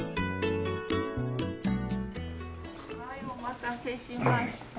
はいお待たせしました。